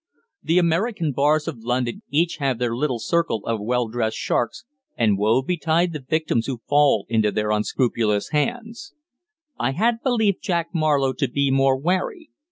The American bars of London each have their little circle of well dressed sharks, and woe betide the victims who fall into their unscrupulous hands. I had believed Jack Marlowe to be more wary.